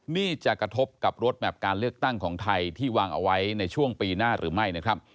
นี่จะกระทบกับรถแมพการเลือกตั้งของไทยที่วางเอาไว้ในช่วงปีหน้าหรือไม่นะครับ